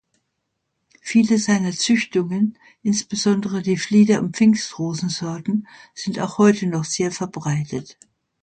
Viele seiner Züchtungen, insbesondere die Flieder- und Pfingstrosen-Sorten sind auch heute noch sehr verbreitet.